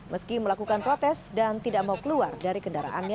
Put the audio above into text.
meski melakukan protes dan tidak mau keluar dari kendaraannya